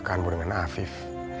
aku gak mungkin karmai sama afif